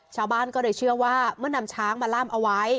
ชาวบ้านก็เลยเชื่อว่าเมื่อนำช้างมาล่ามเอาไว้